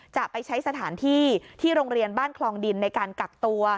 จะไปใช้สถานที่ที่โรงเรียนบ้านคลองดินในการกักตัว